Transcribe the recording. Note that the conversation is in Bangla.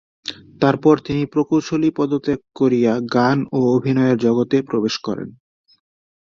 তারপর তিনি প্রকৌশলী পদত্যাগ করিয়া গান ও অভিনয়ের জগতে প্রবেশ করেন।